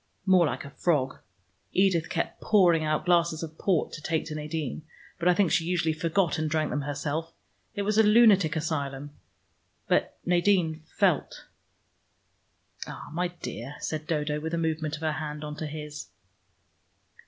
"More like a frog. Edith kept pouring out glasses of port to take to Nadine, but I think she usually forgot and drank them herself. It was a lunatic asylum. But Nadine felt." "Ah, my dear," said Dodo, with a movement of her hand on to his.